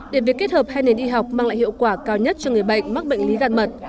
để việc kết hợp hai nền y học mang lại hiệu quả cao nhất cho người bệnh mắc bệnh lý gan mật